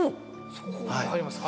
そこ入りますか。